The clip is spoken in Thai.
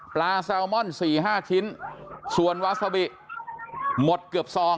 แซลมอนสี่ห้าชิ้นส่วนวาซาบิหมดเกือบซอง